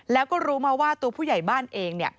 แล้วก็รู้มาว่าตัวผู้ใหญ่บ้านเอง